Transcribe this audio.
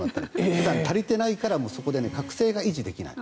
普段、足りてないから覚醒が維持できない。